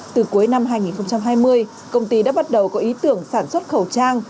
từ cuối năm hai nghìn hai mươi công ty đã bắt đầu có ý tưởng sản xuất khẩu trang